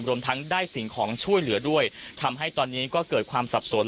รวมทั้งได้สิ่งของช่วยเหลือด้วยทำให้ตอนนี้ก็เกิดความสับสน